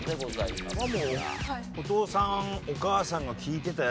もうお父さんお母さんが聴いてたやつ。